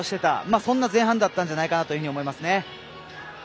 そんな前半だったんじゃないかと思いますね。